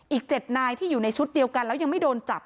อีก๗นายที่อยู่ในชุดเดียวกันแล้วยังไม่โดนจับ